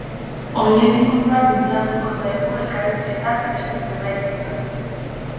Horien inguruan mintzatuko zaigu elkarrizketan, beste zenbaitez gain.